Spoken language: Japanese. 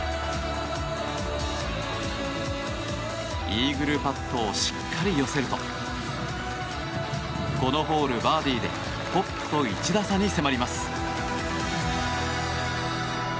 イーグルパットをしっかり寄せるとこのホール、バーディーでトップと１打差に迫ります。